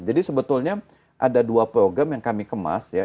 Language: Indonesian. jadi sebetulnya ada dua program yang kami kemas ya